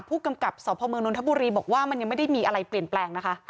ผู้กำกับสพเมืองนทบุรีบอกว่ามันยังไม่ได้มีอะไรเปลี่ยนแปลงนะคะ